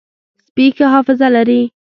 سپي ښه حافظه لري.